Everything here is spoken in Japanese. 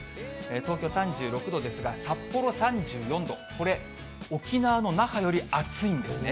東京３６度ですが、札幌３４度、これ、沖縄の那覇より暑いんですね。